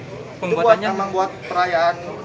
itu buatan membuat perayaan